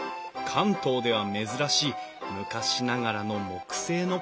関東では珍しい昔ながらの木製の冠水橋。